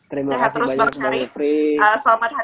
terima kasih banyak bang melfri